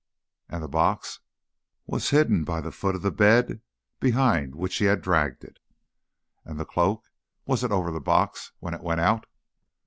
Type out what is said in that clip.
"And the box?" "Was hidden by the foot of the bed behind which he had dragged it." "And the cloak? Was it over the box when it went out?"